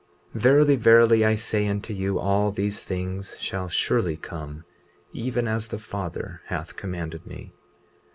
20:46 Verily, verily, I say unto you, all these things shall surely come, even as the Father hath commanded me.